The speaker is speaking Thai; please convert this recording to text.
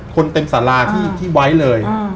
คนเต็มสาราที่ไว้เลย